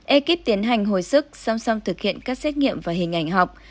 ekip tiến hành hồi sức song song thực hiện các xét nghiệm và hình ảnh học